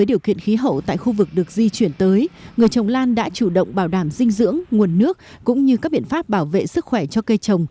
điều kiện khí hậu tại khu vực được di chuyển tới người trồng lan đã chủ động bảo đảm dinh dưỡng nguồn nước cũng như các biện pháp bảo vệ sức khỏe cho cây trồng